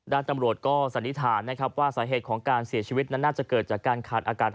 ตำรวจก็สันนิษฐานนะครับว่าสาเหตุของการเสียชีวิตนั้นน่าจะเกิดจากการขาดอากาศ